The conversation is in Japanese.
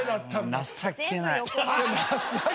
情けない。